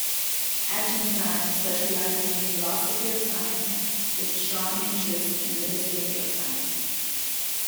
Achinstein specializes in philosophy of science with strong interests in the history of science.